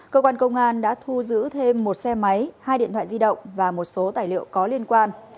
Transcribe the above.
cơ quan công an đã thu giữ thêm một xe máy hai điện thoại di động và một số tài liệu có liên quan